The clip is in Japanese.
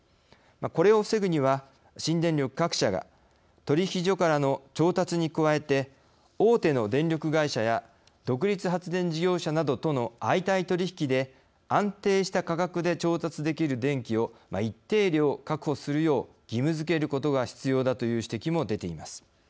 これを防ぐには、新電力各社が取引所からの調達に加えて大手の電力会社や独立発電事業者などとの相対取引で安定した価格で調達できる電気を一定量、確保するよう義務づけることが必要だという指摘も出ています。